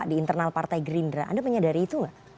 yang dikenal partai gerindra anda menyadari itu gak